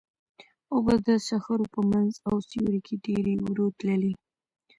اوبه د صخرو په منځ او سیوري کې ډېرې ورو تللې.